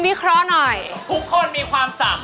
วันที่เธอพบมันในหัวใจฉัน